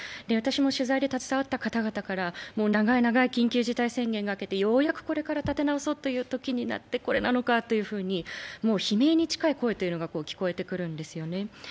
私も取材で携わった方々から長い長い緊急事態宣言が明けてようやくこれから立て直そうというときになって、これなのかと悲鳴に近い声というのが聞こえてくるんですよね。